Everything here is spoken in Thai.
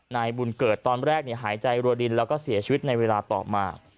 นายบุญเกิดตอนแรกหายใจรัวดินแล้วก็เสียชีวิตในเวลาต่อมา